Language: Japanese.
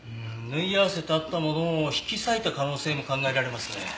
縫い合わせてあったものを引き裂いた可能性も考えられますね。